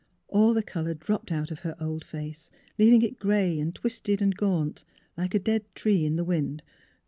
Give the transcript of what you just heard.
All the colour dropped out of her old face, leaving it grey and twisted and gaunt, like a dead tree in the wind.